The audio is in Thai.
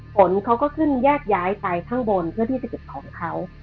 ผลเขาก็ขึ้นแยกย้ายไปข้างบนเพื่อที่จะเก็บของเขา